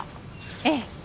ええ。